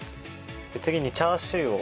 次にチャーシューを。